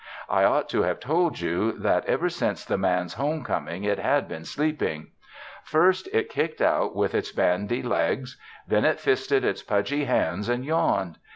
I ought to have told you that ever since the Man's home coming it had been sleeping. First it kicked out with its bandy legs. Then it fisted its pudgy hands and yawned.